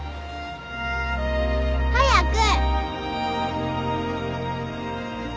早く。